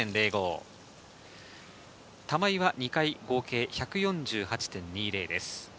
玉井は２回合計１４８．２０です。